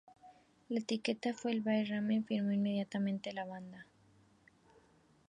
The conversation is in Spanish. La etiqueta Fueled by Ramen firmó inmediatamente la banda.